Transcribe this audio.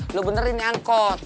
ya lu benerin angkut